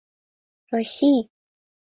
Россий!